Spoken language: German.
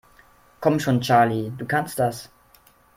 Komm schon, Charlie, du kannst das!